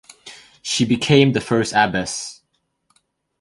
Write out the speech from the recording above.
She became the first abbess.